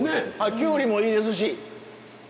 きゅうりもいいですし。